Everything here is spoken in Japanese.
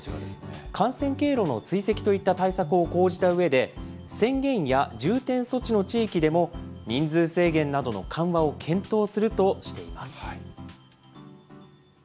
感染経路の追跡といった対策を講じたうえで、宣言や重点措置の地域でも、人数制限などの緩和を検討するとしています。